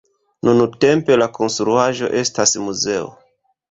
Nuntempe la konstruaĵo estas muzeo.